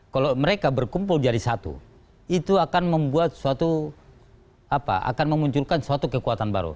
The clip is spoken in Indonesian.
kalau mereka berkumpul jadi satu itu akan membuat suatu apa akan memunculkan suatu kekuatan baru